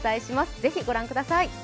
ぜひご覧ください。